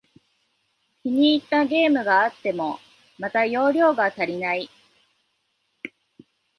気に入ったゲームがあっても、また容量が足りない